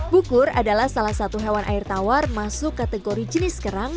bukur adalah salah satu hewan air tawar masuk kategori jenis kerang